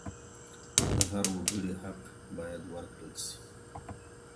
د هر وګړي حق بايد ورکړل سي.